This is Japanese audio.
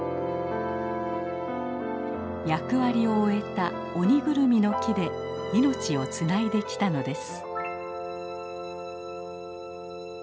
役割を終えたオニグルミの木で命をつないできたのです。